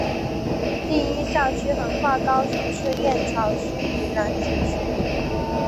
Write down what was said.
第一校区横跨高雄市燕巢区与楠梓区。